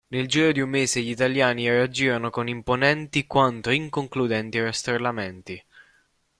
Nel giro di un mese gli italiani reagirono con imponenti quanto inconcludenti rastrellamenti.